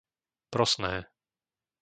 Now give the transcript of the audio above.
Prosné